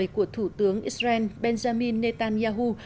của thủ tướng israel benjamin netanyahu